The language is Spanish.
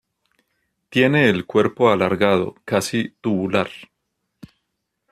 Tiene el cuerpo alargado, casi tubular.